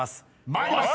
［参ります。